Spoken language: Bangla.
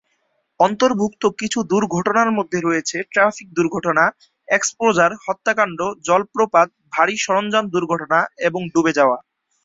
অন্তর্ভুক্ত কিছু দুর্ঘটনার মধ্যে রয়েছে ট্র্যাফিক দুর্ঘটনা, এক্সপোজার, হত্যাকাণ্ড, জলপ্রপাত, ভারী সরঞ্জাম দুর্ঘটনা এবং ডুবে যাওয়া।